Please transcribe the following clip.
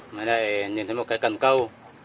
mới lại nhìn thấy một cái cần câu